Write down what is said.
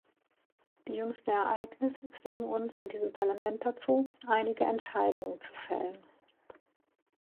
Die jüngsten Ereignisse zwingen uns in diesem Parlament dazu, einige Entscheidungen zu fällen.